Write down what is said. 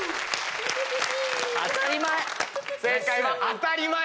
当たり前！